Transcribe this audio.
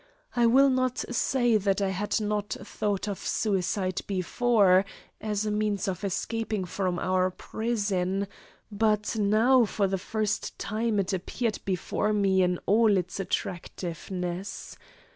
I will not say that I had not thought of suicide before as a means of escaping from our prison, but now for the first time it appeared before me in all its attractiveness.